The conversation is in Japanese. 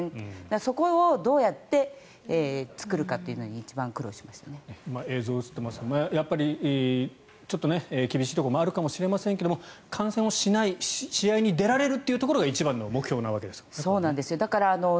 そこをどうやって作るかというのに映像映っていますがやっぱり、ちょっと厳しいところもあるかもしれませんが感染をしない試合に出られるというところが一番の目標のわけですからね。